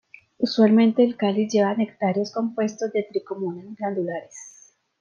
Usualmente el cáliz lleva nectarios compuestos de tricomas glandulares.